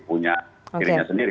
punya kirinya sendiri